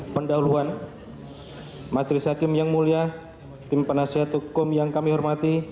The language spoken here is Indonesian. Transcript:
pendahuluan majelis hakim yang mulia tim penasihat hukum yang kami hormati